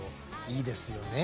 いいですよね。